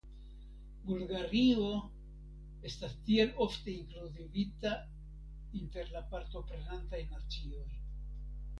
Bulgario estas tiel ofte inkluzivita inter la partoprenantaj nacioj.